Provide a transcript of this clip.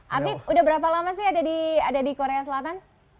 jadi udah berapa lama sih ada di korea selatan